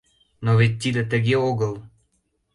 Но вет тиде тыге огыл.